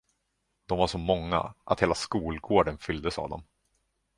De var så många, att hela skolgården fylldes av dem.